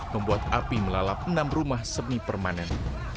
membuat api melalap enam rumah semi permanen